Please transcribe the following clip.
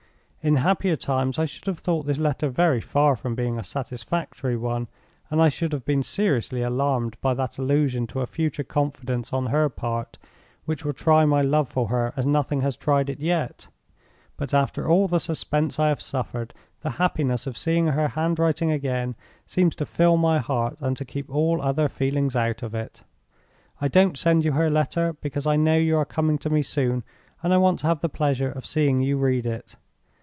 "In happier times I should have thought this letter very far from being a satisfactory one, and I should have been seriously alarmed by that allusion to a future confidence on her part which will try my love for her as nothing has tried it yet. But after all the suspense I have suffered, the happiness of seeing her handwriting again seems to fill my heart and to keep all other feelings out of it. I don't send you her letter, because I know you are coming to me soon, and I want to have the pleasure of seeing you read it.